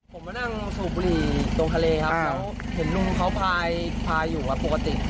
ผมมานั่งสูบบุหรี่ตรงทะเลครับแล้วเห็นลุงเขาพาอยู่ปกติ